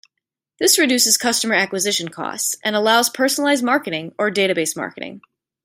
This reduces customer acquisition costs, and allows personalized marketing or database marketing.